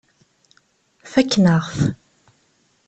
Fakken-aɣ-t.